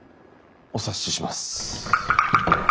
お察しします。